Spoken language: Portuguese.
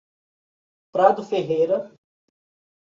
Prado Ferreira